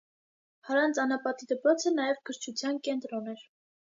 Հարանց անապատի դպրոցը նաև գրչության կենտրոն էր։